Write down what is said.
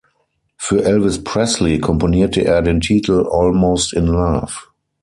Für Elvis Presley komponierte er den Titel "Almost In Love".